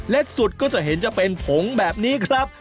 สุดก็จะเห็นจะเป็นผงแบบนี้ครับ